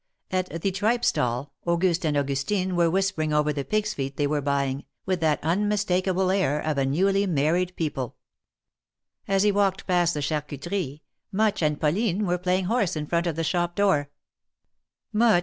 At the tripe stall Auguste and Augustine were whis pering over the pigs^ feet they were buying, with that unmistakable air of newly married people. As he walked past the Charcuterie, Much and Pauline f were playing horse in front of the shop door.